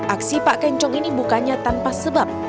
aksi pak kencong ini bukannya tanpa sebab